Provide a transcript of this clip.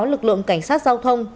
lực lượng cảnh sát giao thông